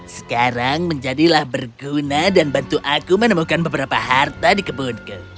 sekarang menjadilah berguna dan bantu aku menemukan beberapa harta di kebunku